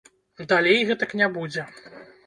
Далей гэтак не будзе!